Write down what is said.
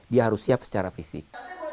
dia harus siap secara fisik